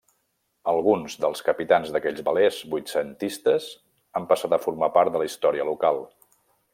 Alguns dels capitans d'aquells velers vuitcentistes han passat a formar part de la història local.